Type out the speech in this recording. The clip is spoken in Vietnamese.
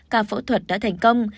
cả phẫu thuật đã thành công